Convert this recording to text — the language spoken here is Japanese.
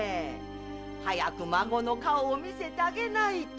早く孫の顔を見せてあげないと！